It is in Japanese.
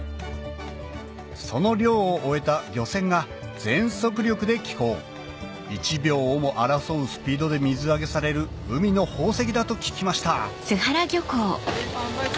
その漁を終えた漁船が全速力で帰港１秒をも争うスピードで水揚げされる海の宝石だと聞きました